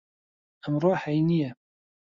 ئەمڕۆ هەینییە.